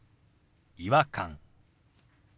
「違和感」。